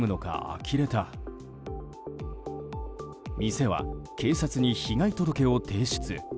店は警察に被害届を提出。